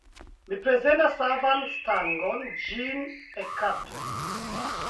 Mi prezentas savan stangon; ĝin ekkaptu.